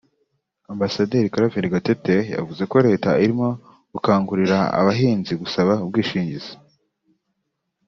Amb Claver Gatete yavuze ko Leta irimo gukangurira abahinzi gusaba ubwishingizi